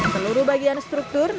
seluruh bagian struktur terbuka